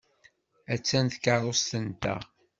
Attan tkeṛṛust-nteɣ.